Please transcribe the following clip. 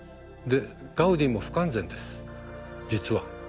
ガウディも不完全です実は。